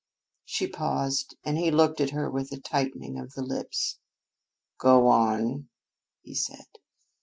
She paused and he looked at her with a tightening of the lips. "Go on," he said.